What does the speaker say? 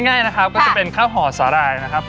ง่ายนะครับก็จะเป็นข้าวห่อสาหร่ายนะครับ